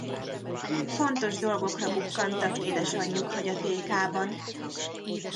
Fontos dolgokra bukkantak édesanyjuk hagyatékában.